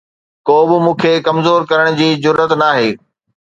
ڪو به مون کي ڪمزور ڪرڻ جي جرئت ناهي